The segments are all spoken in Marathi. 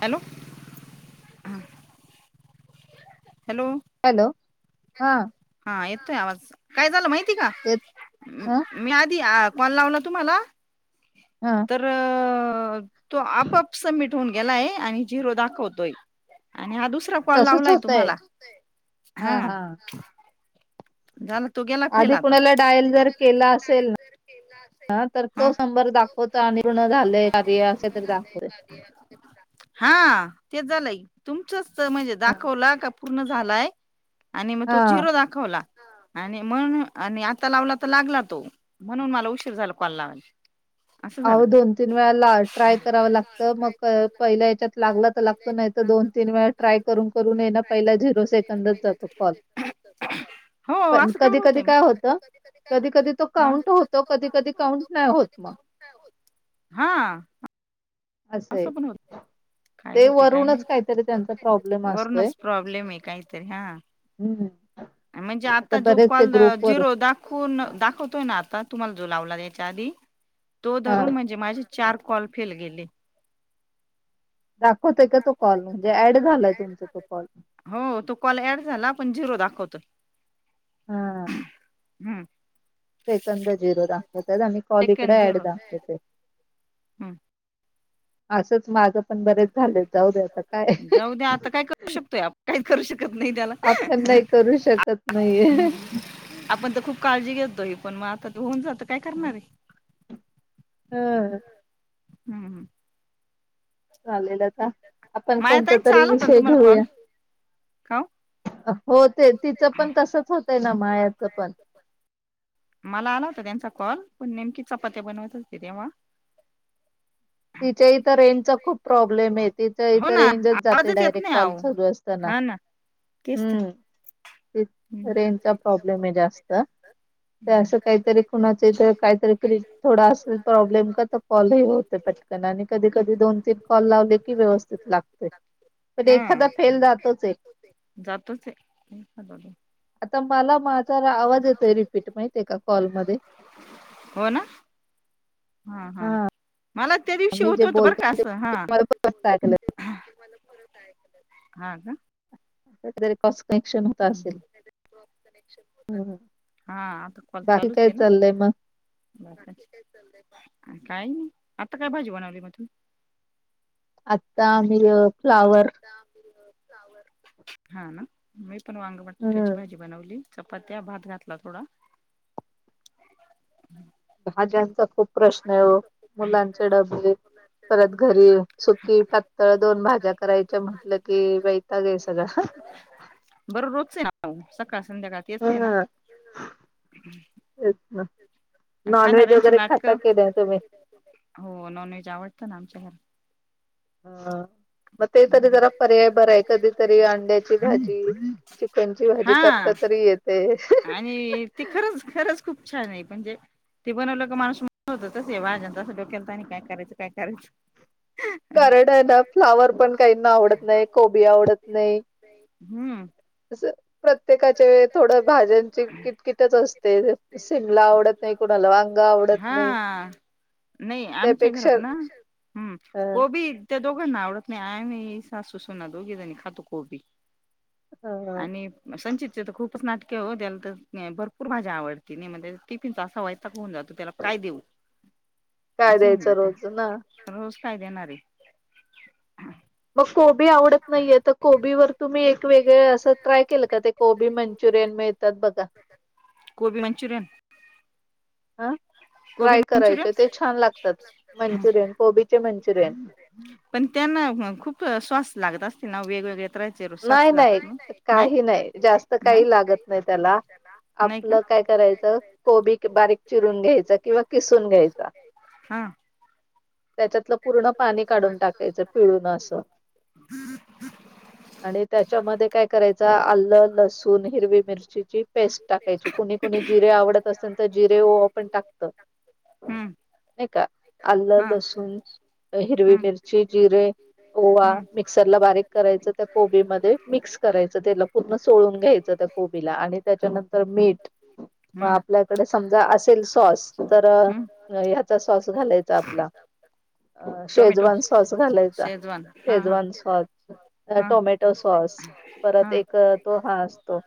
हॅलो! हॅलो! हॅलो हा हा येतोय आवाज काय झालं माहिती का? मी आधी कॉल लावला तुम्हाला हा! तर तो आपोआप समिट होऊन गेलाय आणि झिरो दाखवतोय आणि हा दुसरा कॉल लावलाय तुम्हाला हा. झाल आधी कुणाला डायल जर केला असेलना तर तोच नंबर दाख होत आणि पूर्ण झालंय कार्य असे तरी दाखवत. हा तेच झालंय. तुमचंच तर म्हणजे दाखवला का पूर्ण झालाय आणि मग तो झिरो दाखवला. आणि मग आणि आता लावला तर लागला तो. म्हणून मला उशीर झाला कॉल लावायला. अहो दोन तीन वेळा ला ट्राय करावं लागतं मग पहिला याच्यात लागला तर लागतो नाय तर दोन तीन वेळा ट्राय करून करून ये ना पहिला झिरो सेकंदच जातो कॉल. हो असं का बर होतय मग? कधी काय होत कधी कधी तो काउंट नाय होत. हा! असं पण होतंय. काय होत काय वरूनच प्रॉब्लेम आहे काहीतरी हा. म्हणजे आता जो कॉल झिरो दाख खून दाखवतोय ना आता तुम्हाला जो लावला याच्या आधी तो धरून म्हणजे माझे चार कॉल फेल गेले. दाखवतोय का तो कॉल म्हणजे ऍड झालाय तुमचा तो कॉल हो तो कॉल ऍड झाला आपण झिरो दाखवत. हा! हम्म! सेकंद झिरो दाखवतय आणि कॉल इकड ऍड दाखवतय. असंच माझं पण बरेच झालेत जाऊदे आता काय आपण नाही करू शकत. बाय! आपण तर खूप काळजी घेततोय पण मग आता होऊन जात काय करणार आहे. हम्म हम्म! चालेल आपण कोणता तरी विषय घेऊया. काव? हो ते तिचं पण तसंच होतंय ना मायाचं पण मला आला होता त्यांचा कॉल पण नेमकी चपात्या बनवत होते तेव्हा हो ना आवाजच येत नाही आहोत. हा ना तेस तर रेंचा प्रॉब्लेम आहे जास्त तर असं काहीतरी खुणाचथ काहीतरी क थोडा असेल प्रॉब्लेम का तर कॉलही होते पट आणि कधी कधी दोन तीन कॉल लावले की व्यवस्थित लागत पण एखादा फेल जातोच एक- जातोच आता मला माझा आवाज येतोय रिपीट माहिती आहे का कॉलमध्ये. हो ना हा हां मला त्या दिवशी होत होतं बरं का असं हा. तुला हा ग [inaudible] काहीतरी कॉस कनेक्शन होत असेल. हा आता कॉल चालूच आहे ना. ब काही नाही आता काय भाजी बनवली मग? आता आम्ही फ्लावर हा मी पण वांग बटाटा ची भाजी- भाजी बनवली चपात्या भात घातला थोडा. भाज्यांचा खूप प्रश्न आहे मुलांचे डबे. परत घरी सुकी पातळ दोन भाज्या करायच्या म्हटलं की वेयता ग सगळं बरं रोज आहे ना सकाळ संध्याकाळ. हा नॉन व्हेज वगैरे खात क दे्या तुमही [unintelligible] हो नॉन व्हेज आवडतं ना आमच्या घर- हा मग ते तरी जरा पर्याय बर आहे कधीतरी अंड्याची भाजी चिकनची भाजी करता तरी येत. ते आणि ते खरंच खरंच खूप छान आहे म्हणजे. ते बनवलंो का माणूस होत तस आहे भाजन तसं डोक्याल तरनी काय करायचं काय करायचं? कारड आहे ना फ्लावर पण काहीना आवडत नाही कोबी आवडत नाही. हम्म प्रत्येकाचे व थोडं भाज्यांची किटकिटच असते. शिमला आवडत नाही कुणाला वांगा आवडत नाही. नाही आमच्या घरात ना, त्या दोघांना आवडत नाही आहे्ही सासूसोना दोघी जणी खातो कोबी. आणि संचितचे तर खूपच नाटके हो त्याला तर भरपूर मजा आवडती नाही म्हग टिफिनचा असा वायताक होऊन जातो त्याला, काय देऊ होऊन जात रोज काय देणार आहे. मग कोबी आवडत नाहीये तर, कोबीवरर तुम्ही एक वेगळ असं ट्राय केलं का ते कोबी मंचुरियन मिळतात बघा, गोबी मंचुरयन हा ट्राय करायच ते छान लागतात मंचुरियन कोबीचे मंचुरियन. पण त्यांना खूप श्वास लागत असते ना वेगवेगळे तर, नाही नाही काही नाही जास्त काही लागत नाही त्याला आपलं काय करायचं कोबी बारीक चिरून घ्यायच किंवा किसून घ्यायचा, हा त्याच्यातलं पूर्ण पाणी काढून टाकायचं पिळून असं, हम आणि त्याच्यामध्ये काय करायच आलं लसूण हिरवी मिरचीची पेस्ट टाकायची कुणी कुणी जिरे आवडत असेल तर जिरे आपण टाकत हो नाही का आलं लसूण हिरवी मिरची जिरे, ओवा मिक्सरला बारीक करायचं त्या कोबी मध्ये मिक्स करायचं त्याला पूर्ण सोळून घ्यायचं त्या, कोबीला आणि त्याच्यानंतर मीठ आपल्या, डे समजा असेल सॉस तर ह्याचा सॉस घालायचा आपला. अ शेजवान सॉस घालायचा शेजवान सॉस, टोमॅटो सॉस परत एक तो हा असतो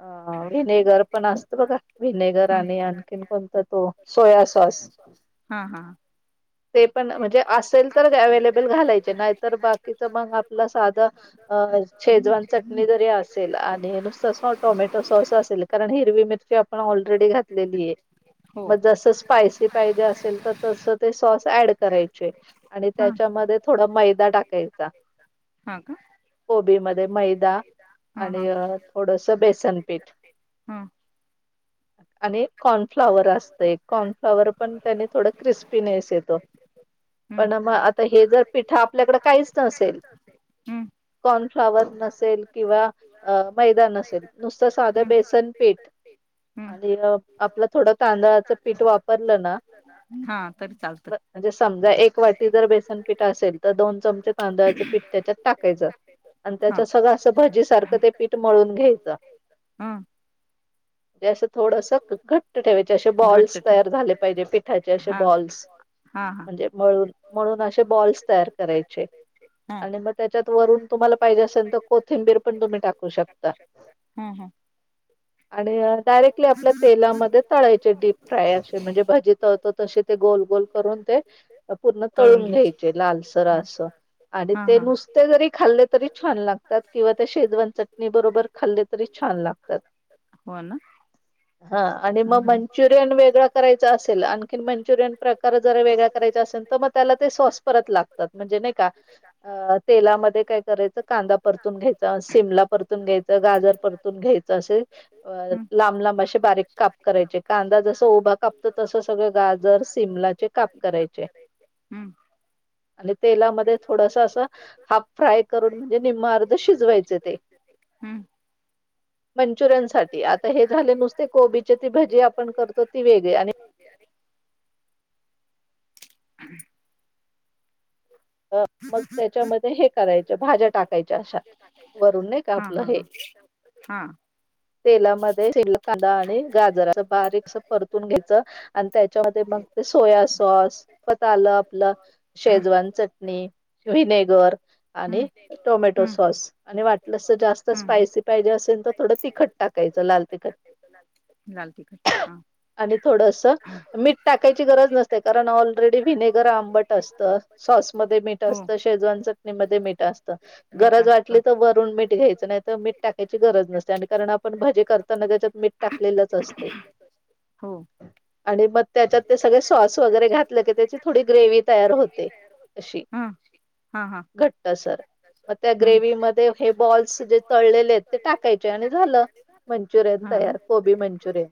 अ विनेगर पण असत बघ विनेगर आणि आणखीन कोणता तो सोया सॉस हा हा ते पण म्हणजे असेल तर अवेलेबल घालायचे नाहीतर बाकीच मग आपलं साधं अ शेजवान चटणी जरी असेल आणि नुसतं अस टोमॅटो सॉस असेल कारण हिरवी मिर आपण ऑलरेडी घातलेली आहे म जस स्यसी े असेल तर त ते ऍड करायचे आणि त्याच्यामध्ये थोडा मैदा टाकायचा ह का कोबी मध्ये मैदा आणि थोडंसं बेसन पीठ आणि कॉर्नफ्लॉवर असत एक कॉर्नफ्लॉवर पण त्यानी थोडं क्रिस्पीनेस येतो पण मग आता हे जर पिठा आपल्याकडे काहीच नसेल कॉर्नफ्लाॉवर नसेल किंवा अ मैदान असेल नुसतं साधं बेसन पीठ आणि आपलं थोडं तांदळाचं पीठ वापरलं ना हा तरी चालत समा वाट बे द च पांदळाचं पीठ त्याच्यात टाकायचं आणि त्याचा सगळं जी सार पीठ मळून घ्याय थोडसं घट्ट ठेवायचे असे बॉल्स तयार झाले पाहिजे पिठाचे असे बॉल्स हा णून असे बॉल्स तयार करायचे आणि म त्याच्यात वरून तुम्हाला पाहिजे असेल तर कोथिंबीर पण. तुम्ही टाकू शकता हम हम आणि डायरेक्टली आपल्या तेलामध्ये तळायचे डीप फ्राय असे म्हणजे भाजी तळतो तशी ते गोल गोल करून ते पूर्ण तळून घ्यायचे लालसर असं आणि ते नुस ते जरी खाल्ले तरी छान लागतात किंवा ते शेजवन चटणी बरोबर खाल्ले तरी छान लागतात हा आणि मग मंचु देन वेगळ करायल असेल आणखीन मंचुरीयन प्र ज वेग करायचा असेल तर मग त्याला ते सॉस परत लागतात म्हणज नाही का अ तेलामध्ये काय करायचं कांदा परतून घ्यायचं शिमला परतून घ्यायचं गाजर परतून घ्यायचं असे अ लांब लांब असे बारीक काप करायचे कांदा जस उभा कापतो तस सगळं गाजर सिमला काप करायचे आणि तेलामध्ये थोडसा अस हाफ फ्राय करून म्हणजे निम्म अर्ध शिजवायचे ते हम् मंचुरियन साठी आता हे झाले नुसते कोबीची ती भजी आपण करतो ती वेगळी आणि मग त्याच्यामध्ये हे करायचं भाज्या टाकायच्या अशा वरून नाही का आपलं हे हा तेलामध्ये शिडला कांदा आणि गाजरा बारीकस परतून घ्यायच आणि त्याच्यामध्ये मग ते सोया सॉस पत आलं आपलं शेजवान चट चटणी विनेगर आणि टोमॅटो सॉस आणि वाटलं तर जास्त स्पायसी पाहिजे असेल तर थोडं तिखट टाकायचं लाल तिखट लाल तिखट हा आणि थोडस मीठ टाकायची गरज नसते कारण ऑलरेडी विनेगर आंबट असत सॉस मीठ असत शेजवान चटणी मध्ये मीठ असत गरज वाटली वर रुण मीठ घ्यायचं नाही तर मीठ टाकायची गरज नसते आणि कारण आपण भजी करताना त्याच्यात मीठ टाकलेलंच असते [inaudible] आणि मग त्याच्यात ते सगळे सॉस वगैरे घातलं की त्याची थोडी ग्रेवही तयार होते अशी हा, हा घट्ट सर मग त्या ग्रेवही मध्ये हे बॉल्स जे तळलेले आहेत ते टाकायचे आणि झालं मंचुरियन तयार कोबी मंचुरियन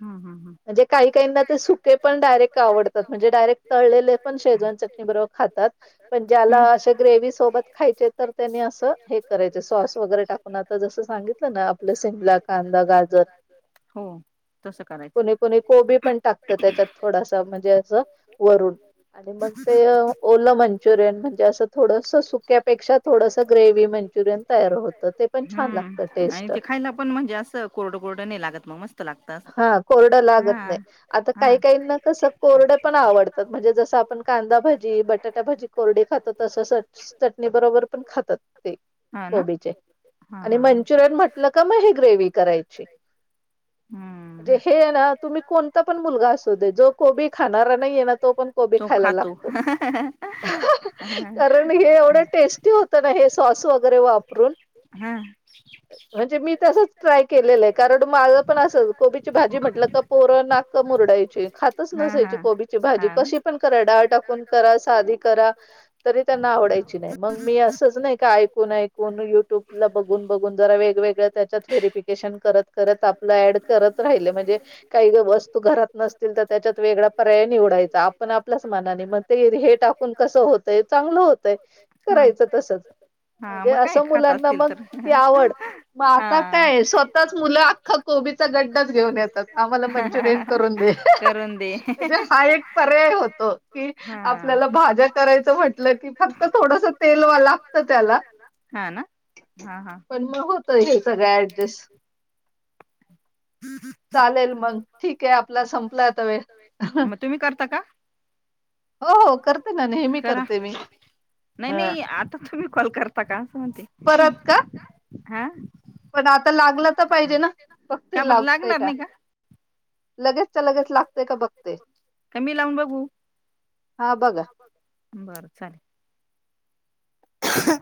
ह, ह, ह म्हणजे काही काहींना ते सुके पण डायरेक्ट आवडतात म्हणजे डायरेक् तळले पण शेजवान चट बरोबर खातात पण ज्याला अशे ग्रेवी सोबत खायचे तर त्यांनी असं हे करायच सॉस वगैरे टाक पण आता जसं सांगितलं ना आपल शिमला कांदा गाजर हो कुणी, कुणी कोबी पण टाकत त्याच्यात थोडासा म्हणजे असं वरून आणि मग ते ओलं मंचुरियन म्हणजे असं थोडंसं सुक्यापेक्षा थोडंसं ग्रेवही मंचुरियन तयार होत ते पण छान लागत आणि ते खायला पण म्हणजे असं कोरडं, कोरडं नाही लागत मग मस्त हा कोरडं लागत नाही आता काही काहीना कस कोरड पण आवडतात म्हणजे जसं आपण कांदा भजी बटाटा भजी, कोरडी खातो तसंच चटनी बरोबर पण खातात ते आणि मंचुरियन ल का म ही ग्रेवी करायची म्हणजे हे ना तुम्ही कोणता पण मुलगा असू दे जो कोबी खाणारा नाहीये ना तो पण कोबी खायला लागतो कारण हे एवढं टेस्ट टी होत ना हे सॉस वगैरे वापरून हा म्हणजे मी तसच ट्राय केलेलं आहे कारण माझ पण अस कोबीची भाजी म्हटलं का पोर नाक मुरडायची खातच नसायची कोबीची भाजी कशी पण करा डाळ टाकून करा साधी करा तरी त्यांना आवडायची नाही मग मी असंच नाही का ऐकून, ऐकून युट्यूब ला बघून, बघून जरा वेगवेग त्याच्यात वेरिफिकेशन करत, करत आपलं ॲड करत राहिले म्हणजे काही व्यवस् तू घरात नसतील तर त्याच्यात वेगळा पर्याय निवडायचा आपण आपल्याच मनाने मग ते हे टाकून कसं होतय चांगलं होतय करायचं तसच म्हणजे असं मुलांना मग ती आवड मग आता काय स्वत ताच मुलं अख्खा कोबीचा गड्डाच घेऊन येतात आम्हाला मंचुरियन करून दे म्हणजे हा एक पर्याय होतो की आपल्याला भाज करायचं म्हटलं की फक्त थोडस तेल वा लागत त्याला हा ना हा, हा ग होत हे सगळं ऍडजस्ट चालेल मग ठीकाय आपला संपलाय आता वेळ तुम्ही करता का? करा नाइ नाइ आत तुम्ही कॉल करता का आसं म्हणते? परत का? हां. पण आता लागला त पाहिजे ना बगतोय लागतोय काय? लगेचच्या लगेच लागतोय का बघते हा बघा. बरं चाले [inaudible]